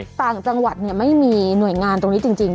ต่างจังหวัดไม่มีหน่วยงานตรงนี้จริง